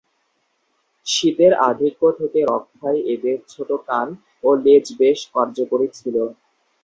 শীতের আধিক্য থেকে রক্ষায় এদের ছোট কান ও লেজ বেশ কার্যকরী ছিল।